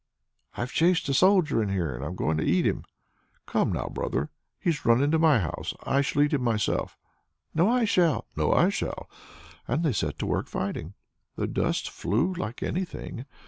"I've chased a soldier in here, so I'm going to eat him." "Come now, brother! he's run into my house. I shall eat him myself." "No, I shall!" "No, I shall!" And they set to work fighting; the dust flew like anything.